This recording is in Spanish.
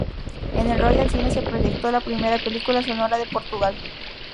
En el Royal Cine se proyectó la primera película sonora de Portugal.